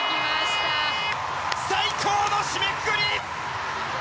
最高の締めくくり！